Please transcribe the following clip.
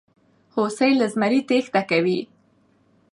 هوسۍ له زمري تېښته کوي.